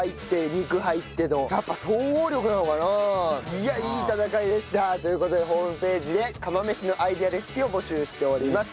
いやいい戦いでした！という事でホームページで釜飯のアイデアレシピを募集しております。